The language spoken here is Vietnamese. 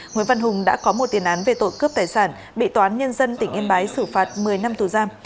nguyễn văn hùng đã có một tiền án về tội cướp tài sản bị toán nhân dân tỉnh yên bái xử phạt một mươi năm tù giam